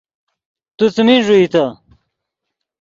تو څیمین ݱوئیتے